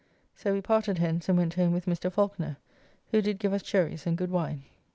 So we parted hence and went home with Mr. Falconer, who did give us cherrys and good wine.